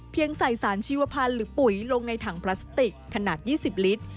ใส่สารชีวพันธ์หรือปุ๋ยลงในถังพลาสติกขนาด๒๐ลิตร